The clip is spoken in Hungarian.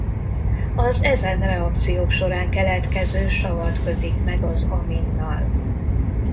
Az ezen reakciók során keletkező savat kötik meg az aminnal.